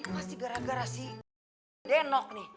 pasti gara gara si denok nih